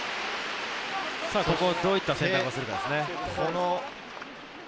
ここ、どういった選択をするかですね。